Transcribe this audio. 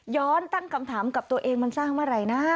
ตั้งคำถามกับตัวเองมันสร้างเมื่อไหร่นะ